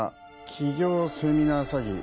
起業セミナー詐欺